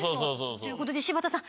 という事で柴田さん